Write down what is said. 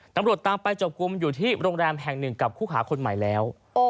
ตำรวจตามไปจับกลุ่มอยู่ที่โรงแรมแห่งหนึ่งกับคู่ขาคนใหม่แล้ว